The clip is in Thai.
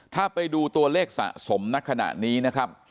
ถ้าไปดูตัวเลขสะสมณขณะนี้นะครับ